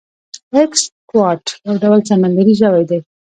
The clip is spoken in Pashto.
ایکسکوات یو ډول سمندری ژوی دی